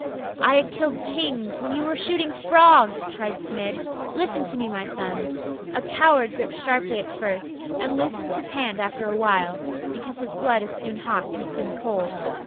'I had killed kings when you were shooting frogs,' cried Smid. 'Listen to me, my sons! A coward grips sharply at first, and loosens his hand after a while, because his blood is soon hot and soon cold.